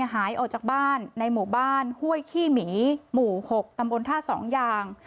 หายออกจากบ้านในหมู่บ้านห้วยขี้หมีหมู่๖ตำบลท่าสองยาง